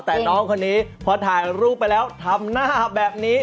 แต่น้องคนนี้พอถ่ายรูปไปแล้วทำหน้าแบบนี้